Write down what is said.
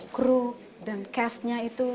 kru dan castnya itu